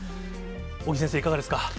尾木先生、いかがですか。